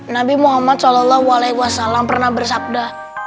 nabi muhammad saw pernah bersabda